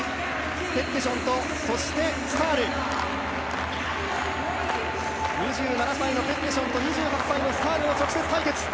ペッテションとスタール、２７歳のペッテションと２８歳のスタールの直接対決。